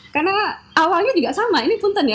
karena awalnya juga sama ini punten ya